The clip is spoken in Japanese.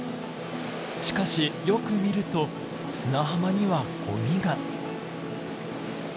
しかしよく見ると砂浜にはゴミが。